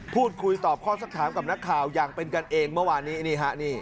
พูดคุยตอบข้อสักถามกับนักข่าวอย่างเป็นกันเองเมื่อวานนี้นี่ฮะ